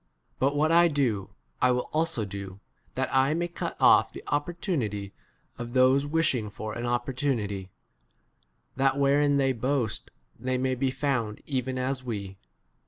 But what I do, I will also do, that I may cut off the opportunity of those wishing [for] an opportunity, that wherein they ' boast they may be found even as I 13 we.